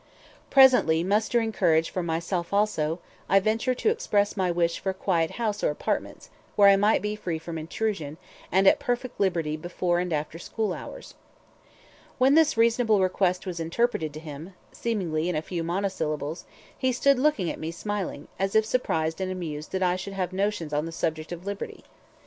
Presently, mustering courage for myself also, I ventured to express my wish for a quiet house or apartments, where I might be free from intrusion, and at perfect liberty before and after school hours. When this reasonable request was interpreted to him seemingly in a few monosyllables he stood looking at me, smiling, as if surprised and amused that I should have notions on the subject of liberty.